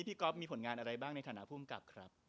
ก๊อฟมีผลงานอะไรบ้างในฐานะภูมิกับครับ